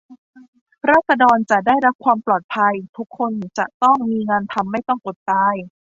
ราษฎรจะได้รับความปลอดภัย ทุกคนจะต้องมีงานทำไม่ต้องอดตาย